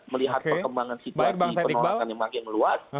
melihat perkembangan situasi penolakan yang makin luas